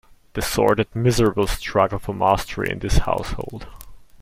The sordid, miserable struggle for mastery in this household.